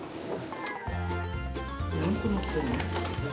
何個載ってるの？